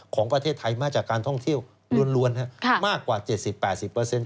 ของประเทศไทยมาจากการท่องเที่ยวรวนรวนฮะค่ะมากกว่าเจ็ดสิบแปดสิบเปอร์เซ็นต์